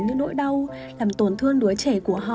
những nỗi đau làm tổn thương đứa trẻ của họ